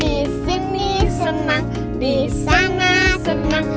di sini senang di sana senang